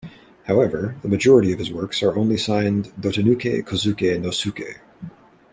However, the majority of his works are only signed "Dotanuki Kozuke no Suke".